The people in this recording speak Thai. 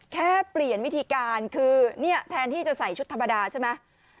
แค่เปลี่ยนวิธีการคือเนี่ยแทนที่จะใส่ชุดธรรมดาใช่ไหม